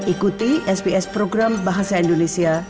ikuti sps program bahasa indonesia